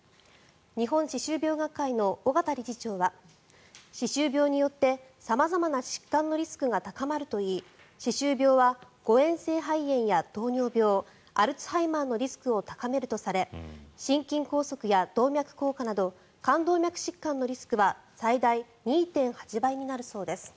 日本歯周病学会の小方理事長は歯周病によって様々な疾患のリスクが高まるといい歯周病は誤嚥性肺炎や糖尿病アルツハイマーのリスクを高めるとされ心筋梗塞や動脈硬化など冠動脈疾患のリスクは最大２．８倍になるそうです。